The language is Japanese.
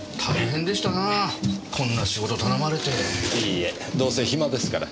いいえどうせ暇ですから。